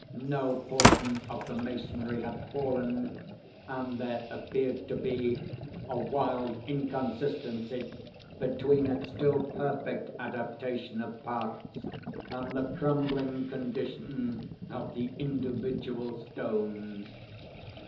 No portion of the masonry had fallen; and there appeared to be a wild inconsistency between its still perfect adaptation of parts, and the crumbling condition of the individual stones.